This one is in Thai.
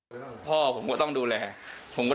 แบบเล็กของโดยน้อยไง